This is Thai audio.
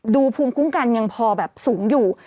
ภูมิคุ้มกันยังพอแบบสูงอยู่